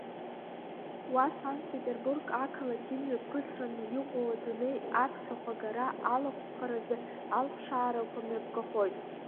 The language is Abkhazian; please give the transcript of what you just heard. Уа Санкт-Петербург ақалақь имҩаԥысраны иҟоу адунеи Аԥхьахә агара алахәхаразы алԥшаарақәа мҩаԥгахоит.